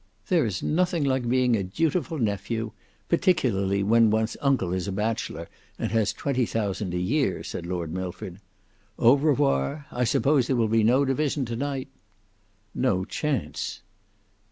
"There is nothing like being a dutiful nephew, particularly when one's uncle is a bachelor and has twenty thousand a year," said Lord Milford. "Au revoir! I suppose there will be no division to night." "No chance."